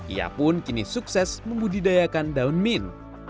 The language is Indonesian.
ia pun kini sukses membudidayakan daun min